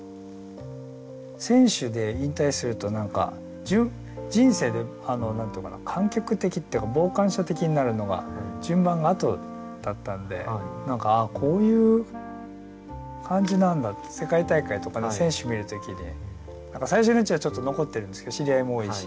選手で引退すると人生で観客的っていうか傍観者的になるのが順番があとだったんで何かああこういう感じなんだって世界大会とかで選手見る時に最初のうちはちょっと残ってるんですけど知り合いも多いし。